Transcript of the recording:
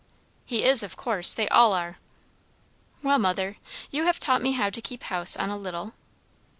"He is of course! They all are." "Well, mother. You have taught me how to keep house on a little."